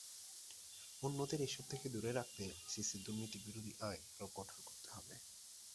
অন্যদের এসব থেকে দূরে রাখতে আইসিসির দুর্নীতিবিরোধী আইন আরও কঠোর করতে হবে।